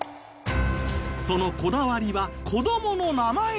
そのこだわりは子どもの名前にも。